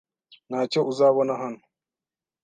Ntacyo uzabona hano.